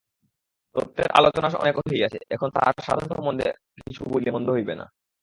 তত্ত্বের আলোচনা অনেক হইয়াছে, এখন তাহার সাধন সম্বন্ধে কিছু বলিলে মন্দ হইবে না।